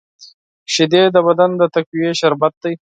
شیدې د بدن د تقویې شربت دی